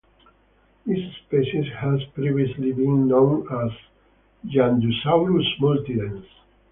This species had previously been known as "Yandusaurus multidens".